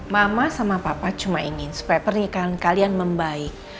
mama sama papa cuma ingin supaya pernikahan kalian membaik